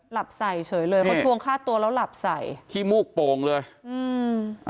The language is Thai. หลับใส่เฉยเลยเขาทวงฆ่าตัวแล้วหลับใส่ขี้มูกโป่งเลยอืม